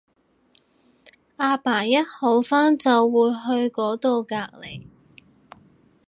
阿爸一好翻就會去嗰到隔離